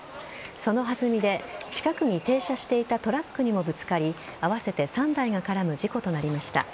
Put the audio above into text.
その弾みで近くに停車していたトラックにもぶつかり合わせて３台が絡む事故となりました。